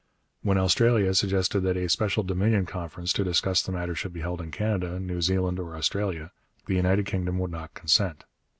When Australia suggested that a special Dominion Conference to discuss the matter should be held in Canada, New Zealand, or Australia, the United Kingdom would not consent.